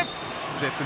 絶妙！